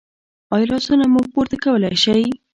ایا لاسونه مو پورته کولی شئ؟